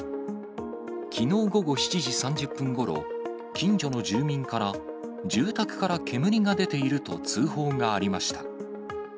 きのう午後７時３０分ごろ、近所の住民から、住宅から煙が出ていると通報がありました。